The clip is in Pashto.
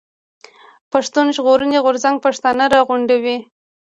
پښتون ژغورني غورځنګ پښتانه راغونډوي.